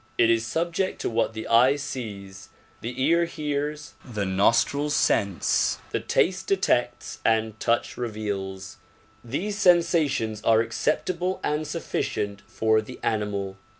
It is subject to what the eye sees, the ear hears, the nostrils sense, the taste detects and touch reveals. These sensations are acceptable and sufficient for the animal.